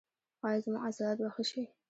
ایا زما عضلات به ښه شي؟